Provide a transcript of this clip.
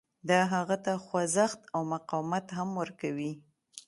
دا هغه ته خوځښت او مقاومت هم ورکوي